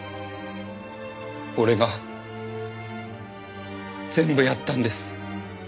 俺が全部やったんです。